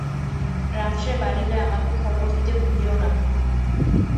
রাত্রে বাড়িলে আমাকে খবর দিতে ভুলিয়ো না।